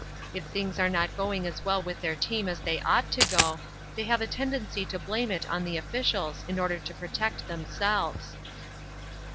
If things are not going as well with their team as they ought to go, they have a tendency to blame it on the officials in order to protect themselves."